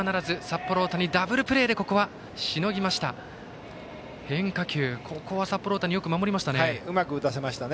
札幌大谷、ダブルプレーでここはしのぎました。